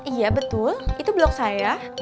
iya betul itu blok saya